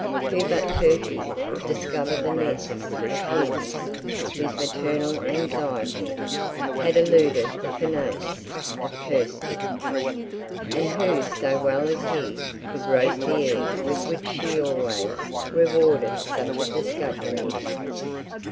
Who but Turkey could discover the nests of hens whose maternal anxiety had eluded the finesse of Kirsty? and who so well as he could roast the egg with which she always rewarded such a discovery?